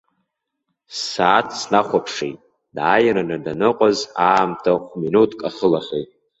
Ссааҭ снахәаԥшит, дааираны даныҟаз аамҭа хә-минуҭк ахылахьеит.